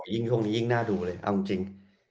ยิ่งช่วงนี้ยิ่งน่าดูเลยเอาจริง